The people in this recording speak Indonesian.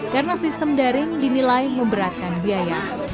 karena sistem daring dinilai memberatkan biaya